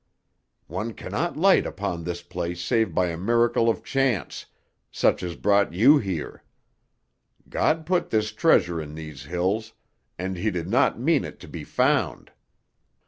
One cannot light upon this place save by a miracle of chance, such as brought you here. God put this treasure in these hills, and He did not mean it to be found."